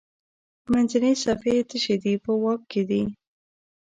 منځنۍ صفحې یې تشې دي په واک کې دي.